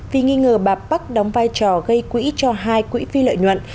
vì nghi ngờ bà park đóng vai trò gây quỹ cho hai quỹ phi lợi nhuận